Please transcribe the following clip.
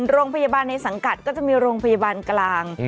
โรงพยาบาลในสังกัดก็จะมีโรงพยาบาลกลาง